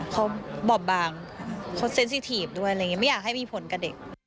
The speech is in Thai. เขาบอบบางเขาเซ็นสิทีฟด้วยไม่อยากให้มีผลกับเด็ก